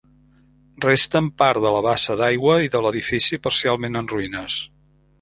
Resten part de la bassa d'aigua i de l'edifici, parcialment en ruïnes.